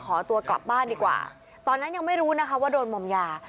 ขอตัวกลับบ้านดีกว่าตอนนั้นยังไม่รู้นะคะว่าโดนมอมยา